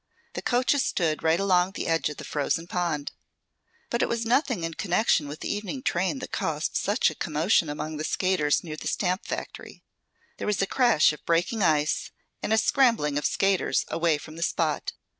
The coaches stood right along the edge of the frozen pond. But it was nothing in connection with the evening train that caused such a commotion among the skaters near the stamp factory. There was a crash of breaking ice and a scrambling of skaters away from the spot.